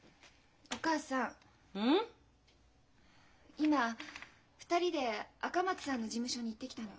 今２人で赤松さんの事務所に行ってきたの。